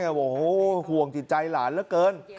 บอกห่วงจิตใจหลานเหลือเกิน